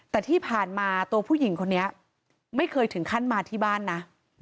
แต่ที่ผ่านมาตัวผู้หญิงคนนี้ไม่เคยถึงขั้นมาที่บ้านนะ